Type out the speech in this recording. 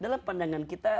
dalam pandangan kita